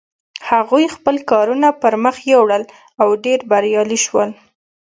هغوی خپل کارونه پر مخ یوړل او ډېر بریالي شول.